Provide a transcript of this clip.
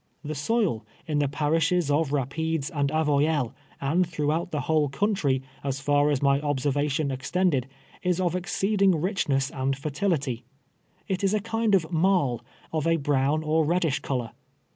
The soil, in the i)arishes of Eaj^ides and Avoyelles, and tliroughout the whole country, so far as my obser vation extended, is of exceeding richness and fertility. It is a kind of rtiarl, of a brown or reddish color.